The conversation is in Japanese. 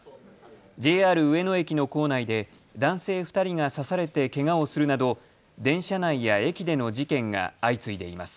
ＪＲ上野駅の構内で男性２人が刺されてけがをするなど電車内や駅での事件が相次いでいます。